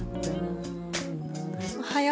おはよう。